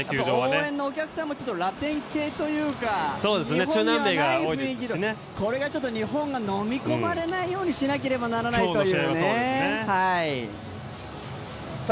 応援の皆さんもラテン系というか、日本にはない雰囲気で、これが日本がのみ込まれないようにしないといけないですね。